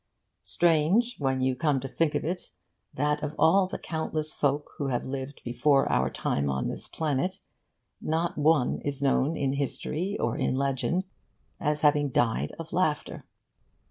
Strange, when you come to think of it, that of all the countless folk who have lived before our time on this planet not one is known in history or in legend as having died of laughter.